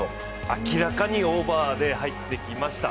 明らかにオーバーで入ってきました。